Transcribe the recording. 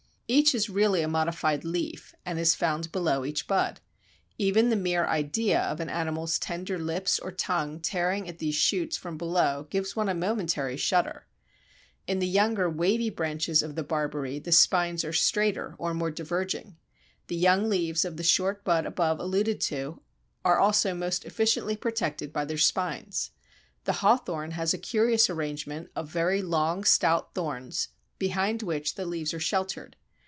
Each is really a modified leaf and is found below each bud. Even the mere idea of an animal's tender lips or tongue tearing at these shoots from below gives one a momentary shudder. In the younger, wavy branches of the Barberry the spines are straighter or more diverging. The young leaves of the short bud above alluded to are also most efficiently protected by their spines. The Hawthorn has a curious arrangement of very long stout thorns, behind which the leaves are sheltered.